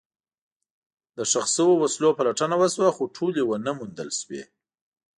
د ښخ شوو وسلو پلټنه وشوه، خو ټولې ونه موندل شوې.